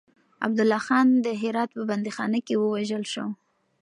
عبدالله خان د هرات په بنديخانه کې ووژل شو.